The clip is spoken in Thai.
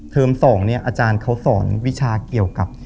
๒เนี่ยอาจารย์เขาสอนวิชาเกี่ยวกับ